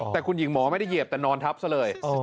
แต่คุณหญิงหมอไม่ได้เหยียบแต่นอนทับซะเลย